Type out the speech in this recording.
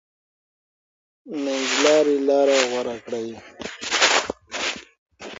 منځلاري لار غوره کړئ.